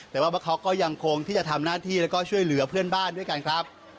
แต่ว่าพวกเขาก็ยังคงที่จะทำหน้าที่แล้วก็ช่วยเหลือเพื่อนบ้านด้วยกันครับ